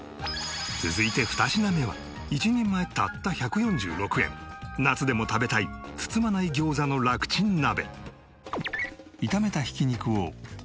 続いて２品目は１人前たった１４６円夏でも食べたい包まない餃子の楽ちん鍋。